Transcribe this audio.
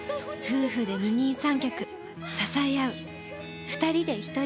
夫婦で二人三脚支え合う二人で一人